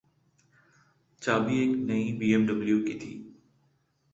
چابی ایک نئی بی ایم ڈبلیو کی تھی۔